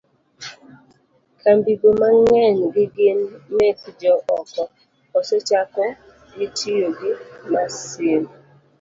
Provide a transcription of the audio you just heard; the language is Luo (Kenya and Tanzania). kambigo mang'eny gi gin mekjo oko, asechako gi tiyo gi masin